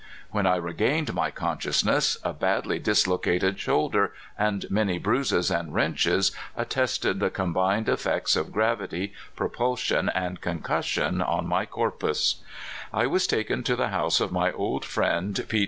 When I regained my conscious ness, a badly dislocated shoulder, and many bruises and wrenches, attested the combined ef fects of gravity, propulsion, and concussion on my corpus. I was taken to the house of my old friend, P.